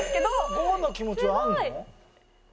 ゴーの気持ちはあるの？